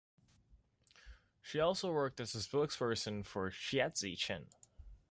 She also worked as a spokesperson for Shiatzy Chen.